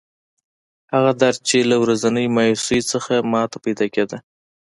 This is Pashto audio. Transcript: هغه درد چې له ورځنۍ مایوسۍ نه ماته پیدا کېده.